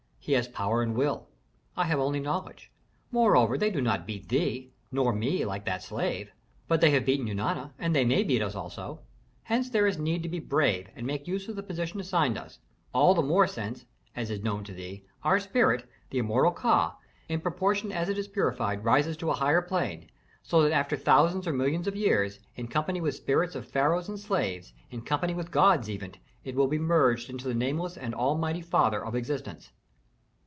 He has power and will; I have only knowledge. Moreover, they do not beat thee, nor me, like that slave." "But they have beaten Eunana, and they may beat us also. Hence there is need to be brave and make use of the position assigned us; all the more since, as is known to thee, our spirit, the immortal Ka, in proportion as it is purified rises to a higher plane, so that after thousands or millions of years, in company with spirits of pharaohs and slaves, in company with gods even, it will be merged into the nameless and all mighty father of existence."